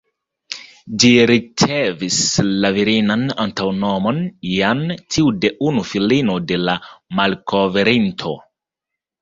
Ĝi ricevis la virinan antaŭnomon ""Jeanne"", tiu de unu filino de la malkovrinto.